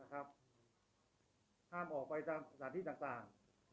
ห้ามออกไปตามสถานที่ต่าง